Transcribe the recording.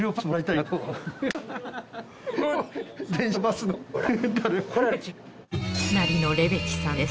かなりのレベチさんです。